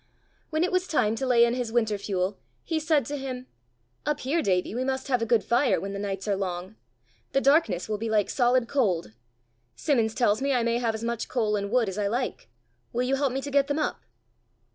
When it was time to lay in his winter fuel, he said to him "Up here, Davie, we must have a good fire when the nights are long; the darkness will be like solid cold. Simmons tells me I may have as much coal and wood as I like: will you help me to get them up?"